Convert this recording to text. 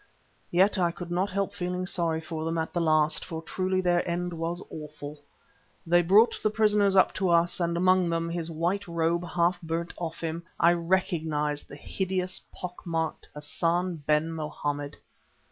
Yet I could not help feeling sorry for them at the last, for truly their end was awful. They brought the prisoners up to us, and among them, his white robe half burnt off him, I recognised the hideous pock marked Hassan ben Mohammed.